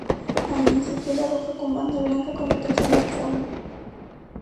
Allí surgió la roja con banda blanca como tercer uniforme.